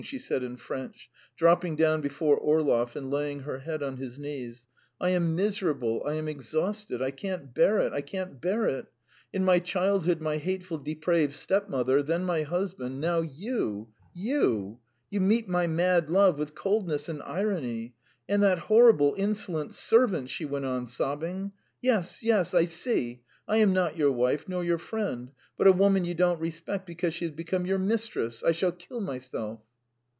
she said in French, dropping down before Orlov, and laying her head on his knees. "I am miserable, I am exhausted. I can't bear it, I can't bear it. ... In my childhood my hateful, depraved stepmother, then my husband, now you ... you! ... You meet my mad love with coldness and irony. ... And that horrible, insolent servant," she went on, sobbing. "Yes, yes, I see: I am not your wife nor your friend, but a woman you don't respect because she has become your mistress. ... I shall kill myself!"